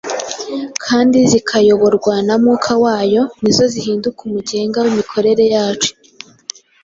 kandi zikayoborwa na mwuka wayo nizo zihinduka umugenga w’imikorere yacu.